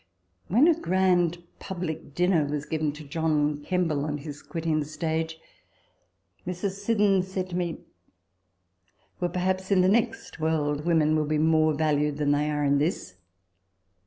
When a grand public dinner was given to John Kemble on his quitting the stage, Mrs. Siddons said to me, " Well, perhaps in the next world women will be more valued than they are in this."